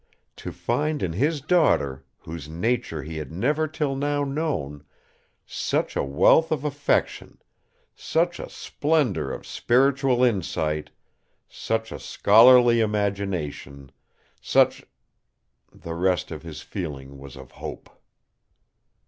To find in his daughter, whose nature he had never till now known, such a wealth of affection, such a splendour of spiritual insight, such a scholarly imagination, such... The rest of his feeling was of hope!